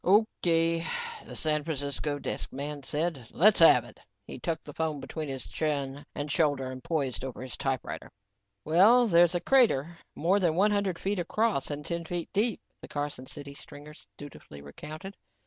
"O.K.," the San Francisco desk man said, "let's have it." He tucked the phone between chin and shoulder and poised over his typewriter. "Well, there's a crater more than one hundred feet across and ten feet deep," the Carson City stringer dutifully recounted.